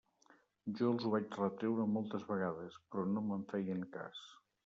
Jo els ho vaig retreure moltes vegades, però no me'n feien cas.